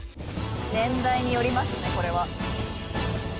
年代によりますねこれは。